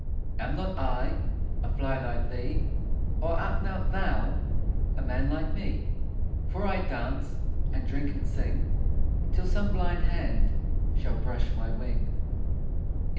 Am not I A fly like thee? Or art not thou A man like me? For I dance And drink, and sing, Till some blind hand Shall brush my wing.